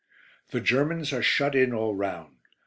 "The Germans are shut in all round.